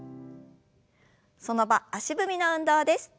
その場足踏みの運動です。